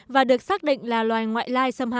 và được xác định là loài ngoại lai xâm hại